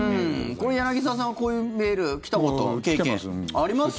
これ、柳澤さんはこういうメール来たことは？来てます。